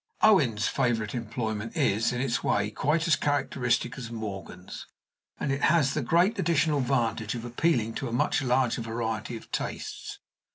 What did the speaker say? Owen's favorite employment is, in its way, quite as characteristic as Morgan's, and it has the great additional advantage of appealing to a much larger variety of tastes.